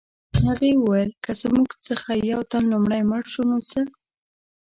هغې وویل که زموږ څخه یو تن لومړی مړ شو نو څه